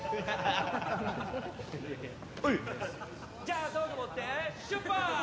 へいじゃあ道具持って出発！